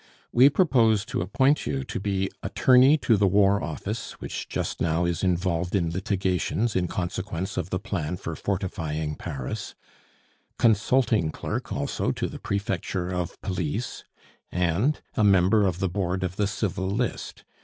"We propose to appoint you to be attorney to the War Office, which just now is involved in litigations in consequence of the plan for fortifying Paris; consulting clerk also to the Prefecture of Police; and a member of the Board of the Civil List.